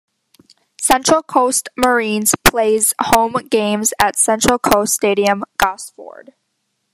Central Coast Mariners plays home games at Central Coast Stadium, Gosford.